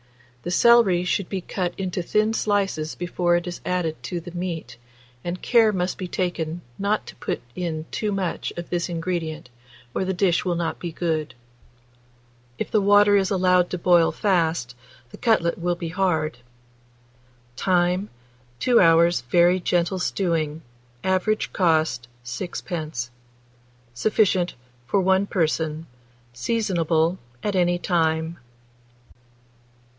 The celery should be cut into thin slices before it is added to the meat, and care must be taken not to put in too much of this ingredient, or the dish will not be good. If the water is allowed to boil fast, the cutlet will be hard. Time. 2 hours' very gentle stewing. Average cost, 6d. Sufficient for 1 person. Seasonable at any time.